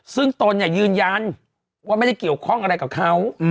ซึ่งโตนยัยยืนยันว่าไม่ได้เกี่ยวข้อเลยกับเขา